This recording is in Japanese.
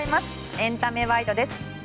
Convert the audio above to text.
エンタメワイドです。